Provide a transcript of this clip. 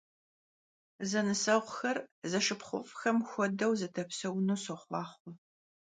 Zenıseğuxer zeşşıpxhuf'xem xuedeu zedepseunu soxhuaxhue!